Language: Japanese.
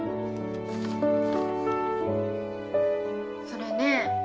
それね